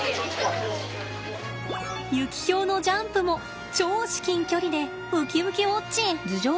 ユキヒョウのジャンプも超至近距離でうきうきウォッチン！